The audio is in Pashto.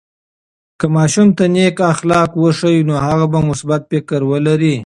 که ماشوم ته نیک اخلاق وښیو، نو هغه به مثبت فکر ولري.